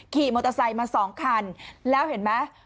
ขี่มอเตอร์ไซค์มา๒คันแล้วเห็นไหม